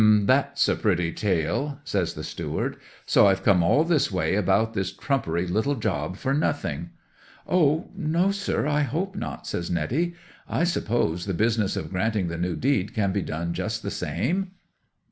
'"H'm!—that's a pretty tale," says the steward. "So I've come all this way about this trumpery little job for nothing!" '"O no, sir—I hope not," says Netty. "I suppose the business of granting the new deed can be done just the same?"